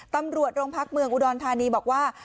ตำรวจโรงพักเมืองอุดรธานีบอกว่า